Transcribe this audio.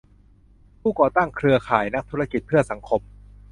ผู้ก่อตั้งเครือข่ายนักธุรกิจเพื่อสังคม